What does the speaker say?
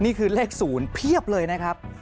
นี่คือเลข๐เพียบเลยนะครับ